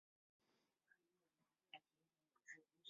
他也代表匈牙利国家足球队参赛。